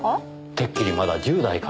てっきりまだ１０代かと。